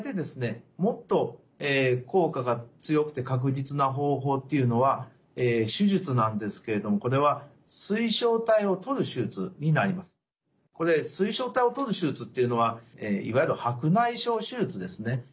もっと効果が強くて確実な方法というのは手術なんですけれどもこれはこれ水晶体をとる手術というのはいわゆる白内障手術ですね。